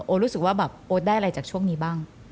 รู้สึกว่าแบบโอ๊ตได้อะไรจากช่วงนี้บ้าง